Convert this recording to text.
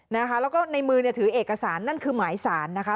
แล้วก็ในมือเนี่ยถือเอกสารนั่นคือหมายสารนะคะ